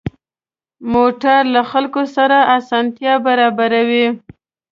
موټر له خلکو سره اسانتیا برابروي.